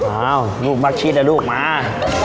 อ้าวลูกมักชีสละลูกมา